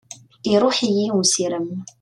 Iruḥ-iyi usirem.